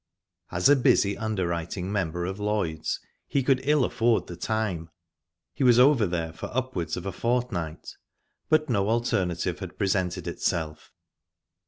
As a busy underwriting member of Lloyd's, he could ill afford the time he was over there for upwards of a fortnight but no alternative had presented itself.